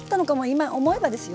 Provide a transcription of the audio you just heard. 今思えばですよ。